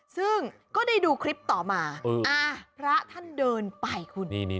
ซึ่งก็ได้ดูคลิปต่อมาพระท่านเดินไปคุณ